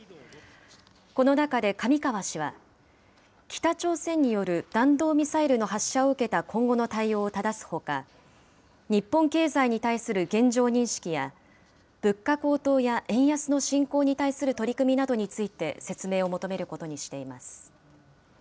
この中で上川氏は、北朝鮮による弾道ミサイルの発射を受けた今後の対応をただすほか、日本経済に対する現状認識や、物価高騰や円安の進行に対する取り組みなどについて説明を求めることにしています。